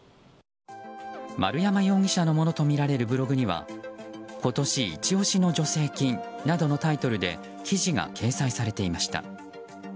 丸山容疑者のものとみられるブログには「今年一押しの助成金！」などのタイトルで記事が掲載されていました。